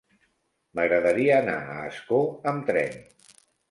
M'agradaria anar a Ascó amb tren.